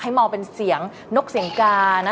มองเป็นเสียงนกเสียงกานะ